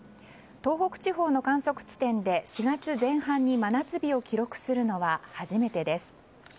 東北地方の観測地点で４月前半に真夏日を記録するのは初めてです。